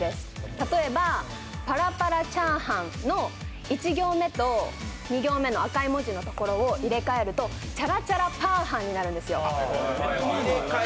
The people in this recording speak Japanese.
例えば、、パラパラチャーハンの１行目と２行目の赤い文字を入れ替えるとチャラチャラパーハンになるんですよ。